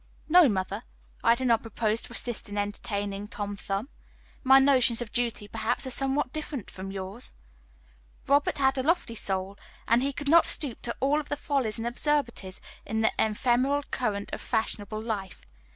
"No, mother, I do not propose to assist in entertaining Tom Thumb. My notions of duty, perhaps, are somewhat different from yours." Robert had a lofty soul, and he could not stoop to all of the follies and absurdities of the ephemeral current of fashionable life.